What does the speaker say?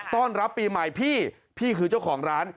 ต้อนรับปีใหม่พี่พี่คือเจ้าของร้าน